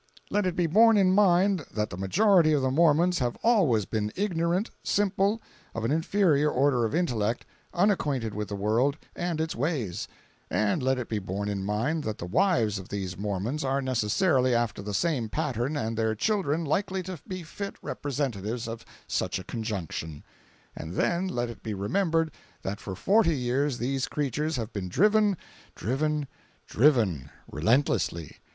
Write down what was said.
Let it be borne in mind that the majority of the Mormons have always been ignorant, simple, of an inferior order of intellect, unacquainted with the world and its ways; and let it be borne in mind that the wives of these Mormons are necessarily after the same pattern and their children likely to be fit representatives of such a conjunction; and then let it be remembered that for forty years these creatures have been driven, driven, driven, relentlessly!